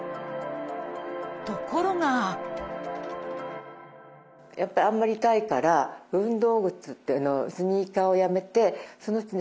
ところがやっぱりあんまり痛いから運動靴っていうのをスニーカーをやめてそのうちね